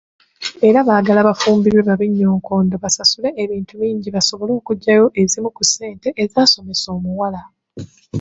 Era baagala bafumbirwe babinnyonkondo babasasule ebintu bingi basobole okuggyayo ezimu ku ssente ezisomesezza omuwala.